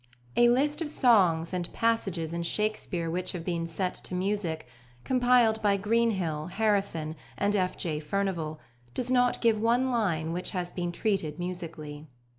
A List of Songs and Passages in Shakespeare which have been set to Music, compiled by Greenhill, Harrison, and F. J. Furnivall, does not give one line which has been treated musically.